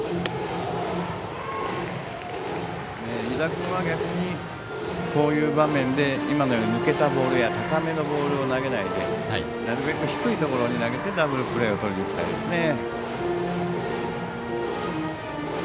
湯田君は、逆にこういう場面で今のように抜けたボールや高めのボールを投げないで、なるべく低い球を投げてダブルプレーをとりにいきたいですね。